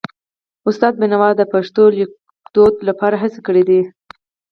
استاد بینوا د پښتو لیکدود لپاره هڅې کړې دي.